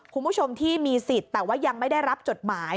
คุณผู้ชมที่มีสิทธิ์แต่ว่ายังไม่ได้รับจดหมาย